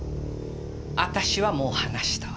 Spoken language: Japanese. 私はもう話したわ。